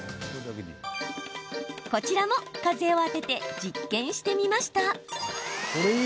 こちらも、風を当てて実験してみました。